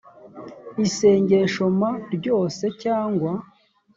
isengesho m ryose cyangwa